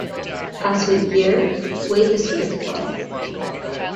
As with gear, weight is critical.